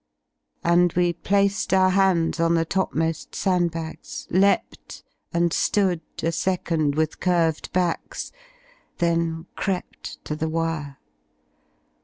Jnd we placed Our hands on the topmoft sand bags, leapt, and Hood A second with curved hacks, then crept to the wire.